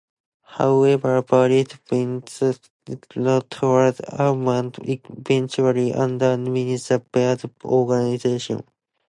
However, Byrd's vindictiveness toward Almond eventually undermined the Byrd Organization.